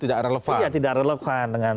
tidak relevan ya tidak relevan dengan